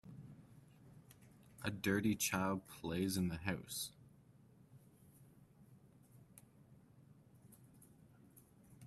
A dirty child plays in the house